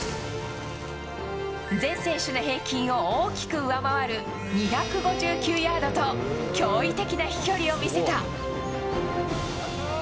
全選手の平均を大きく上回る、２５９ヤードと、驚異的な飛距離を見せた。